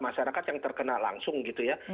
masyarakat yang terkena langsung gitu ya